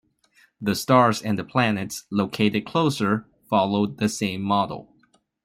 The stars and the planets, located closer, followed the same model.